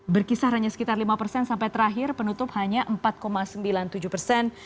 berkisar hanya sekitar lima persen sampai terakhir penutup hanya empat sembilan puluh tujuh persen